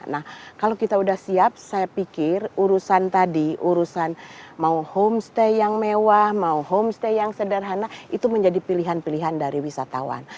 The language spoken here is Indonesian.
nah kalau kita sudah siap saya pikir urusan tadi urusan mau homestay yang mewah mau homestay yang sederhana itu menjadi pilihan pilihan dari wisatawan